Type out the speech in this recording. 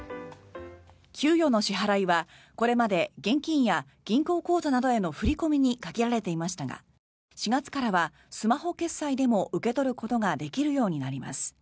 給与の支払いはこれまで現金や銀行口座への振り込みに限られていましたが４月からはスマホ決済でも受け取ることができるようになります。